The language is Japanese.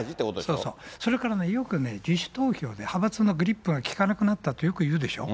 そうそう、それからね、よくね、自主投票で派閥のグリップが利かなくなったってよく言うでしょ。